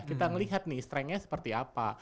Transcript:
kita ngelihat nih strengenya seperti apa